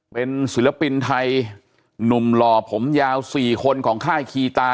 เป็นศิลปินไทยหนุ่มหล่อผมยาว๔คนของค่ายคีตา